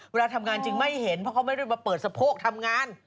เวลาทำงานจริงไม่เห็นเพราะเขาไม่ได้มาเปิดสะโพกทำงาน